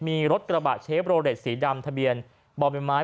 มีรถกระบะเชฟโรเลสสีดำทะเบียนบ่อใบไม้